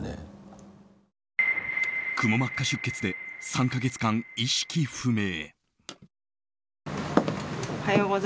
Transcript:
くも膜下出血で３か月間、意識不明。